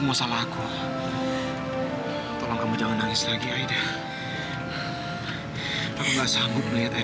maaf aku harus pergi ke rumah sakit sekarang